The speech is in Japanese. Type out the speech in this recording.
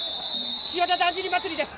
岸和田だんじり祭です。